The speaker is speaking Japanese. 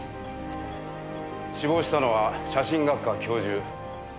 死亡したのは写真学科教授藤岡嘉一。